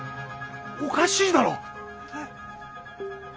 おかしいだろ？